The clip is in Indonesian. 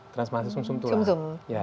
transplantasi sum sum tulang